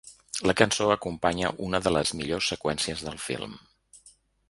La cançó acompanya una de les millors seqüències del film.